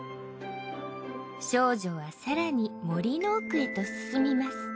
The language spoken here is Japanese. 少女は更に森の奥へと進みます。